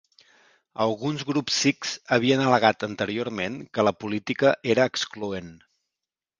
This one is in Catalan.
Alguns grups sikhs havien al·legat anteriorment que la política era excloent.